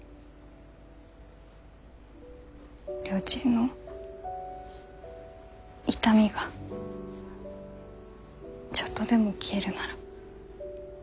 りょーちんの痛みがちょっとでも消えるなら。